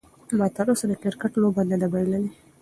ما تر اوسه د کرکټ لوبه نه ده بایللې.